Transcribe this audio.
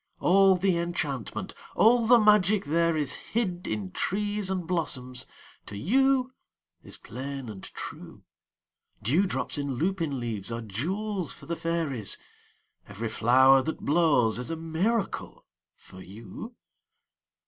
All the enchantment, all the magic there is Hid in trees and blossoms, to you is plain and true. Dewdrops in lupin leaves are jewels for the fairies; Every flower that blows is a miracle for you.